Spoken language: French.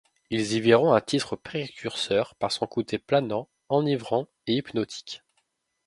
Ils y verront un titre précurseur par son côté planant, enivrant et hypnotique.